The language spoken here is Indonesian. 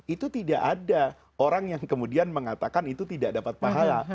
itu tidak ada orang yang kemudian mengatakan itu tidak dapat pahala